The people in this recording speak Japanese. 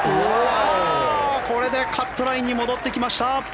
これでカットラインに戻ってきました！